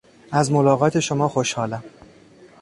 از ملاقات شما خوشحالم.